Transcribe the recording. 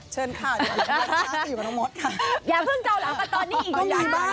เชิญค่ะอย่าเพิ่งเจาหลังกันตอนนี้อีกนิดหนึ่ง